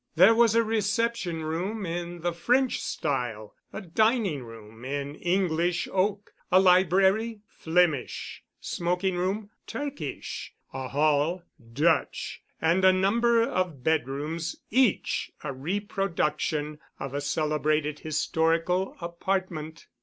There was a reception room in the French style, a dining room in English oak, a library (Flemish), smoking room (Turkish), a hall (Dutch), and a number of bedrooms, each a reproduction of a celebrated historical apartment.